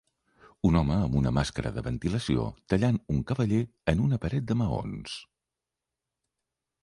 un home amb una màscara de ventilació tallant un cavaller en una paret de maons